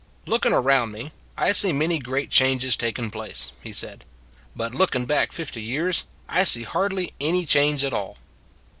" Lookin around me, I see many great changes takin place," he said; "but lookin back fifty years, I see hardly any change at all."